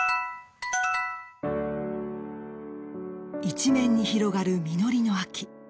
一面に広がる実りの秋。